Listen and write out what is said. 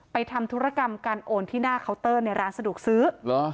ทำธุรกรรมการโอนที่หน้าเคาน์เตอร์ในร้านสะดวกซื้อเหรอ